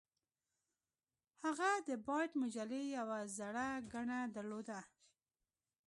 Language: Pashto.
هغه د بایټ مجلې یوه زړه ګڼه درلوده